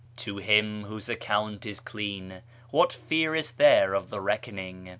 {' To him whose account is clean what fear is there of the reckoning ?